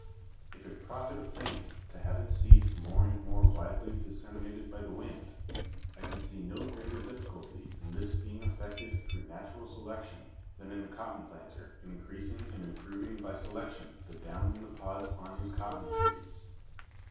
"If it profit a plant to have its seeds more and more widely disseminated by the wind, I can see no greater difficulty in this being effected through natural selection than in the cotton planter increasing and improving by selection the down in the pods on his cotton trees.